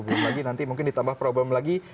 belum lagi nanti mungkin ditambah problem lagi